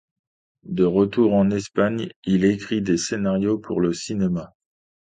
De retour en Espagne, il écrit des scénarios pour le cinéma.